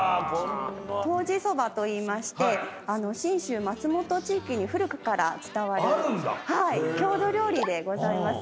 投じ蕎麦といいまして信州松本地域に古くから伝わる郷土料理でございます。